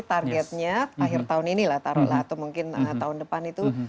targetnya akhir tahun ini lah taruhlah atau mungkin tahun depan itu